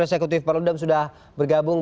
eksekutif perlodam sudah bergabung